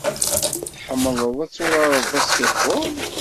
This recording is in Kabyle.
Tḥemmleḍ ad turareḍ basketball?